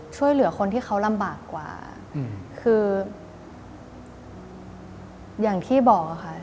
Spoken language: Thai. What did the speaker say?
ช่วยเหลือคนที่เขาลำบากกว่าคืออย่างที่บอกค่ะ